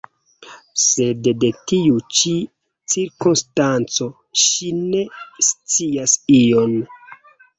Sed de tiu ĉi cirkonstanco ŝi ne scias ion.